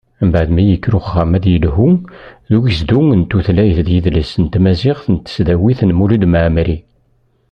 Mbeɛd mi yekker uxxam ad yelḥu deg ugezdu n tutlayt d yidles n tmaziɣt n tesdawit n Mulud Mɛemmeri.